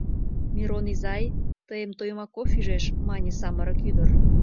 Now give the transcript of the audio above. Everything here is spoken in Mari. — Мирон изай, тыйым Тоймаков ӱжеш, — мане самырык ӱдыр.